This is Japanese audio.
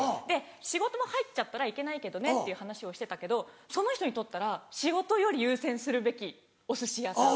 仕事が入ったら行けないけどねっていう話をしてたけどその人にとったら仕事より優先するべきお寿司屋さん。